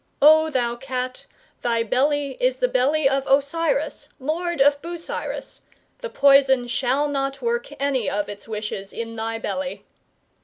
O thou Cat, thy belly is the belly of Osiris, Lord of Busiris, the poison shall not work any of its wishes in thy belly.